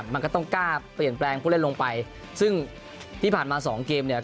มันก็ต้องกล้าเปลี่ยนแปลงผู้เล่นลงไปซึ่งที่ผ่านมาสองเกมเนี่ย